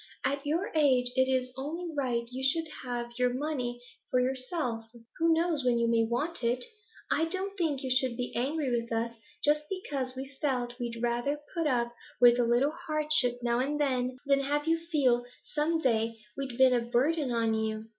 At your age it is only right you should have your money for yourself; who knows when you may want it? I don't think you should be angry with us, just because we've felt we'd rather put up with a little hardship now and then than have you feel some day we'd been a burden on you.